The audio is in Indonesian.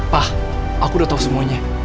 pak aku udah tau semuanya